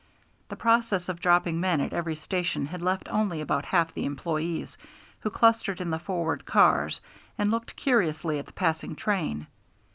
The process of dropping men at every station had left only about half the employees, who clustered in the forward cars and looked curiously at the passing train.